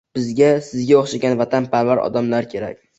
Bizga sizga o‘xshagan vatanparvar odamlar kerak